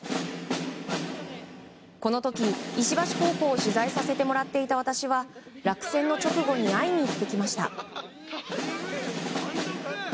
この時、石橋高校を取材させてもらっていた私は落選の直後に会いに行ってきました。